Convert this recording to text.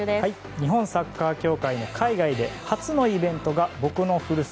日本サッカー協会の海外で初のイベントが僕の古巣